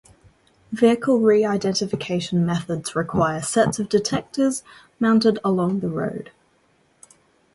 Vehicle re-identification methods require sets of detectors mounted along the road.